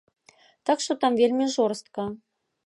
Так што там вельмі жорстка!